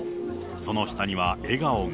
その下には笑顔が。